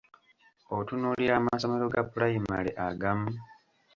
Otunuulira amasomero ga pulayimale agamu?